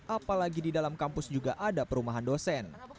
apalagi di dalam kampus juga ada perumahan dosen